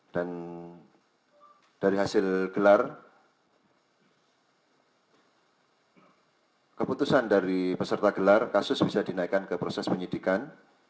dan dari hasil gelar keputusan dari peserta gelar kasus bisa dinaikkan ke proses penyelidikan